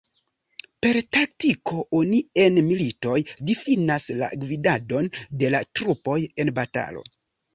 Per taktiko oni en militoj difinas la gvidadon de la trupoj en batalo.